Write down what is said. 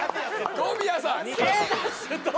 小宮さん！